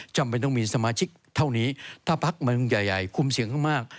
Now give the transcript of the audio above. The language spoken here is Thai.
จำเป็นต้องมีสมาชิกเท่านี้ถ้าภักดิ์มันใหญ่คุมเสียงมาก